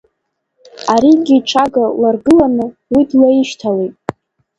Аригьы иҽага ларгыланы, уи длаишьҭалеит.